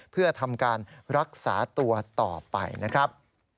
เพื่อทำการรักษาตัวต่อไปนะครับ